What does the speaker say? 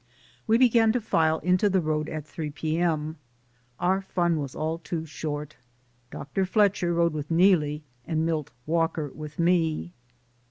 We began to file into the road at three p.m. Our fun was all too short. Dr. Fletcher rode with Neelie, and Milt Walker with me.